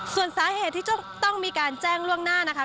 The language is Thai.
ส่วนสาเหตุที่จะต้องมีการแจ้งล่วงหน้านะคะ